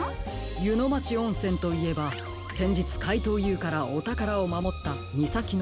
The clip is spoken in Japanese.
ゆのまちおんせんといえばせんじつかいとうＵからおたからをまもったみさきのそばですね。